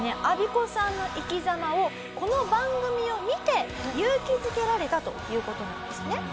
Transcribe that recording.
アビコさんの生き様をこの番組を見て勇気付けられたという事なんですね。